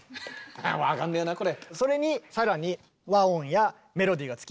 それに更に和音やメロディーがつきます。